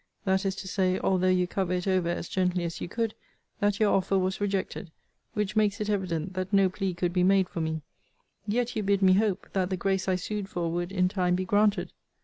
That is to say, although you cover it over as gently as you could, that your offer was rejected; which makes it evident that no plea could be made for me. Yet, you bid me hope, that the grace I sued for would, in time, be granted.